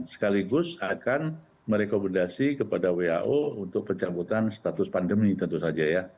sekaligus akan merekomendasi kepada wao untuk pencabutan status pandemi tentu saja ya